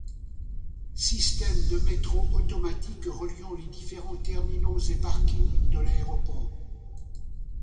Système de métro automatique reliant les différents terminaux et parkings de l'aéroport.